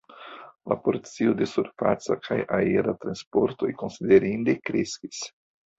La porcio de surfaca kaj aera transportoj konsiderinde kreskis.